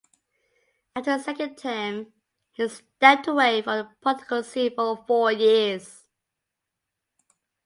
After his second term he stepped away from the political scene for four years.